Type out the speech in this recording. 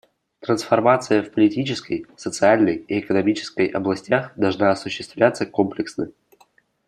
Трансформация в политической, социальной и экономической областях должна осуществляться комплексно.